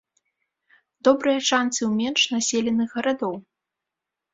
Добрыя шанцы ў менш населеных гарадоў.